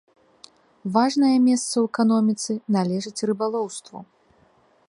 Важнае месца ў эканоміцы належыць рыбалоўству.